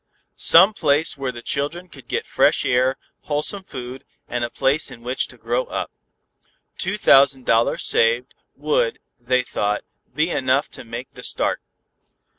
Some place where the children could get fresh air, wholesome food and a place in which to grow up. Two thousand dollars saved, would, they thought, be enough to make the start.